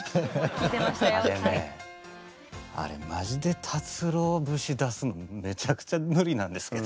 あれねあれマジで達郎節出すのがめちゃくちゃ無理なんですけど。